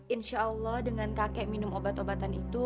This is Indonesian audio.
insya allah dengan kakek minum obat obatan itu